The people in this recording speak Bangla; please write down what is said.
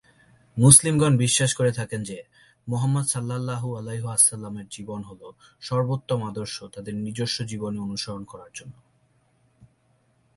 মুসলিমগণ বিশ্বাস করে থাকেন যে, মুহাম্মাদ সাঃ এর জীবন হল সর্বোত্তম আদর্শ তাদের নিজস্ব জীবনে অনুসরণ করার জন্য।